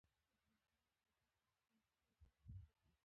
له همدې امله به دوی ته سمدستي جزا ورکول کېدله.